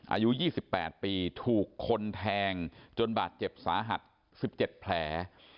อายุ๒๘ปีถูกคนแทงจนบาดเจ็บสาหัส๑๗แผล